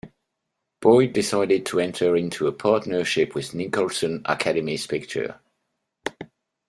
Boyd decided to enter into a partnership with Nicholson's Academy Pictures.